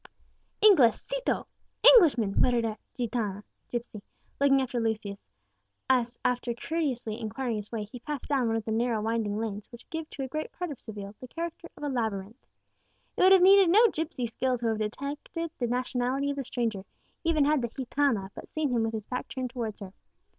[Illustration: THE ALCAZAR OF SEVILLE. Page 20] "Inglesito!" (Englishman!) muttered a gitána (gipsy), looking after Lucius as, after courteously inquiring his way, he passed down one of the narrow winding lanes which give to a great part of Seville the character of a labyrinth. It would have needed no gipsy skill to have detected the nationality of the stranger, even had the gitána but seen him with his back turned towards her.